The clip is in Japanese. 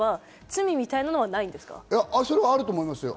罪みたいなのには問われないですか？